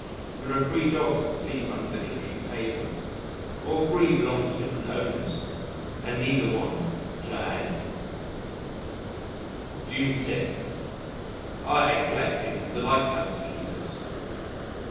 There are three dogs asleep under the kitchen table; all three belong to different owners and neither one to A . June 6. Our egg collecting with the Lighthouse Keepers.